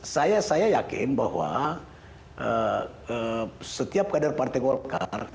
saya yakin bahwa setiap kader partai golkar